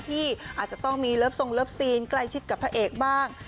ที่อาจจะต้องมีเลิฟทรงเลิฟซีนใกล้ชิดกับพระเอกบ้าง